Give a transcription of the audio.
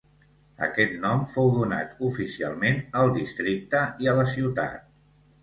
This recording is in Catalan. Aquest nom fou donat oficialment al districte i a la ciutat.